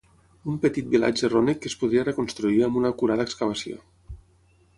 Un petit vilatge rònec que es podria reconstruir amb una acurada excavació.